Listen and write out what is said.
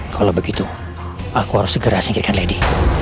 kalau begitu aku harus segera singkirkan lady